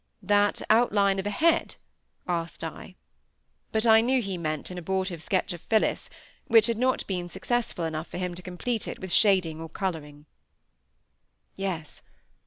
"That outline of a head?" asked I. But I knew he meant an abortive sketch of Phillis, which had not been successful enough for him to complete it with shading or colouring. "Yes.